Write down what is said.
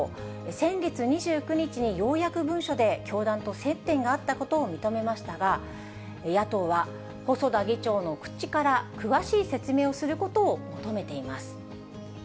先月２９日に、ようやく文書で教団と接点があったことを認めましたが、野党は、細田議長の口から詳しい説明をすることを求めています。